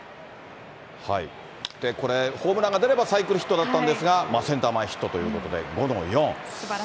これ、ホームランが出ればサイクルヒットだったんですが、センター前ヒットということで、５の４。